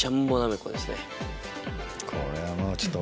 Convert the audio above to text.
これはもうちょっと。